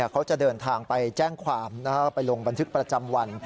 เขาจะเดินทางไปแจ้งความไปลงบันทึกประจำวัน